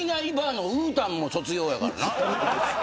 のうーたんも卒業やからな。